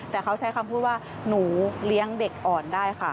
แต่เขาใช้คำพูดว่าหนูเลี้ยงเด็กอ่อนได้ค่ะ